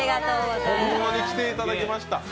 ほんまに来ていただきました。